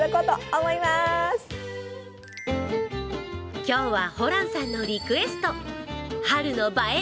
今日は、ホランさんのリクエスト春の映える！